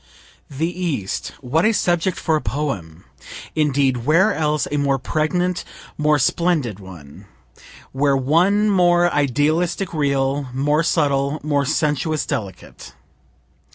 THE EAST. What a subject for a poem! Indeed, where else a more pregnant, more splendid one? Where one more idealistic real, more subtle, more sensuous delicate?